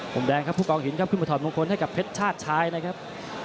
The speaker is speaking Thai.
มแดงครับผู้กองหินครับขึ้นมาถอดมงคลให้กับเพชรชาติชายนะครับ